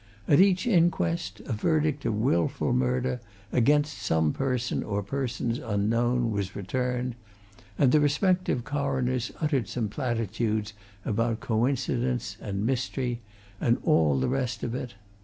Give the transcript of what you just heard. At each inquest a verdict of wilful murder against some person or persons unknown was returned, and the respective coroners uttered some platitudes about coincidence and mystery and all the rest of it.